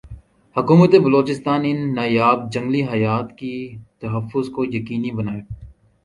حکومت بلوچستان ان نایاب جنگلی حیات کی تحفظ کو یقینی بنائے